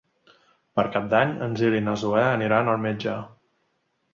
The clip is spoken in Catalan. Per Cap d'Any en Gil i na Zoè aniran al metge.